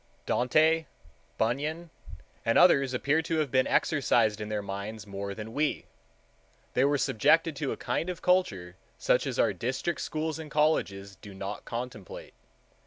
Dante, Bunyan, and others appear to have been exercised in their minds more than we: they were subjected to a kind of culture such as our district schools and colleges do not contemplate.